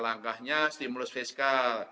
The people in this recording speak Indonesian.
langkahnya stimulus fiskal